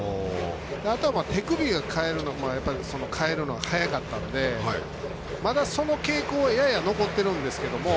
あと手首を返るのが早かったんでまだその傾向はやや残ってるんですけど。